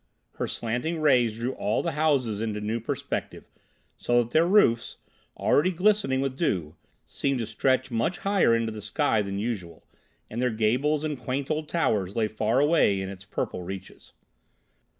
Her slanting rays drew all the houses into new perspective, so that their roofs, already glistening with dew, seemed to stretch much higher into the sky than usual, and their gables and quaint old towers lay far away in its purple reaches.